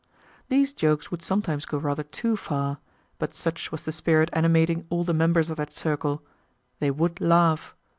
These jokes would sometimes go rather too far, but such was the spirit animating all the members of that circle; they would laugh.